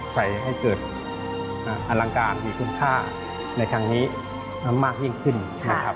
ให้เกิดอลังการมีคุณค่าในครั้งนี้มากยิ่งขึ้นนะครับ